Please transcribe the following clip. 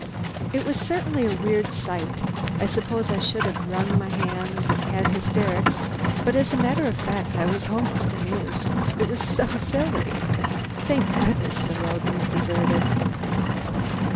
It was certainly a weird sight. I suppose I should have wrung my hands and had hysterics, but as a matter of fact I was almost amused, it was so silly. Thank goodness the road was deserted.